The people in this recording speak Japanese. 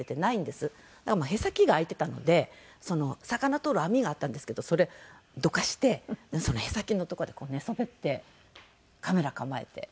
でもへさきが空いてたので魚取る網があったんですけどそれどかしてそのへさきのとこで寝そべってカメラ構えて。